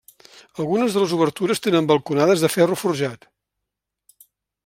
Algunes de les obertures tenen balconades de ferro forjat.